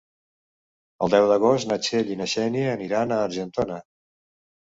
El deu d'agost na Txell i na Xènia aniran a Argentona.